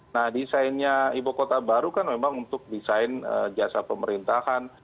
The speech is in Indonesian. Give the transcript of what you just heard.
nah desainnya ibu kota baru kan memang untuk desain jasa pemerintahan